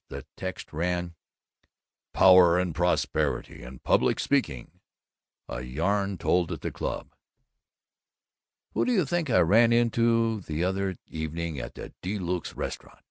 The text ran: $$$$$$$$$ POWER AND PROSPERITY IN PUBLIC SPEAKING A Yarn Told at the Club Who do you think I ran into the other evening at the De Luxe Restaurant?